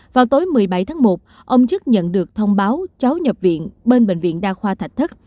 vào tối một mươi bảy tháng một ông chức nhận được thông báo cháu nhập viện bên bệnh viện đa khoa thạch thất